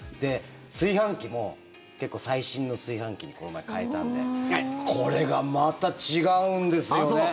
炊飯器も結構最新の炊飯器に変えたのでこれがまた違うんですよね。